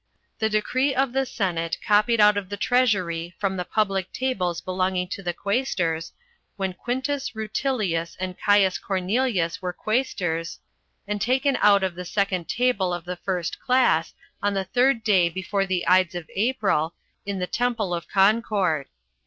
"The decree of the senate, copied out of the treasury, from the public tables belonging to the quaestors, when Quintus Rutilius and Caius Cornelius were quaestors, and taken out of the second table of the first class, on the third day before the Ides of April, in the temple of Concord.